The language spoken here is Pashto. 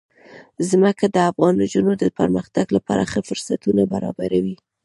ځمکه د افغان نجونو د پرمختګ لپاره ښه فرصتونه برابروي.